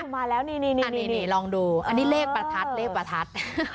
มาแล้วเนยนี่ลองดูเรียกประทัด